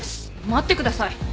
待ってください。